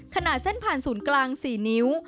ขนาดเส้นผ่านศูนย์กลาง๔นิ้ว